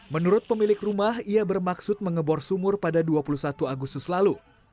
menurut pemilik rumah ia bermaksud mengebor sumur pada dua puluh satu agustus lalu